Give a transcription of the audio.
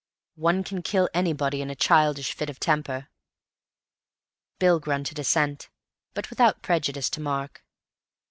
"One can kill anybody in a childish fit of temper." Bill grunted assent, but without prejudice to Mark.